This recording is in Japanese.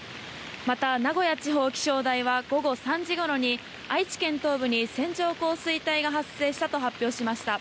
また、名古屋地方気象台は午後３時ごろに愛知県東部に線状降水帯が発生したと発表しました。